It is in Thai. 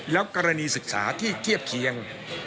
แล้วกรณีศึกษาที่เทียบเคียง